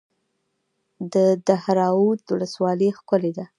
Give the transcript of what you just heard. د دهراوود ولسوالۍ ښکلې ده